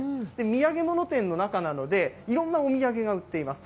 土産物店の中なので、いろんなお土産が売っています。